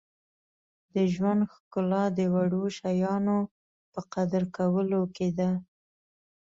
• د ژوند ښکلا د وړو شیانو په قدر کولو کې ده.